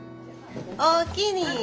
おおきに。